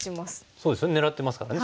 そうですよね狙ってますからね。